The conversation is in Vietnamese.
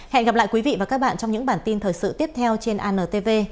hẹn gặp lại quý vị và các bạn trong những bản tin thời sự tiếp theo trên antv